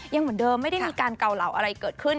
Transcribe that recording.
ยังเหมือนเดิมไม่ได้มีการเกาเหลาอะไรเกิดขึ้น